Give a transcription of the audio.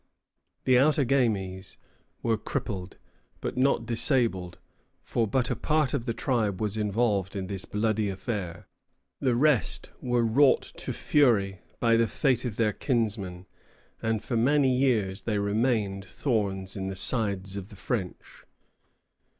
The Outagamies were crippled, but not disabled, for but a part of the tribe was involved in this bloody affair. The rest were wrought to fury by the fate of their kinsmen, and for many years they remained thorns in the sides of the French.